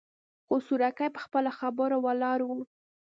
خو سورکی په خپله خبره ولاړ و.